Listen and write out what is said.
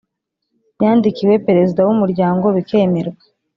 yandikiwe perezida wumuryango bikemerwa